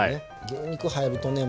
牛肉入るとね